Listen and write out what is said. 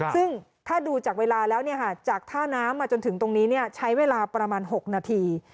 ซึ่งถ้าดูจากเวลาแล้วจากท่าน้ำมาจนถึงตรงนี้ใช้เวลาประมาณ๖นาที